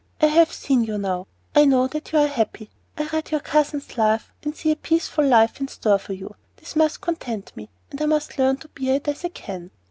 I have seen you now; I know that you are happy; I read your cousin's love and see a peaceful life in store for you. This must content me, and I must learn to bear it as I can."